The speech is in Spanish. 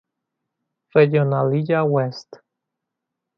Regionalliga West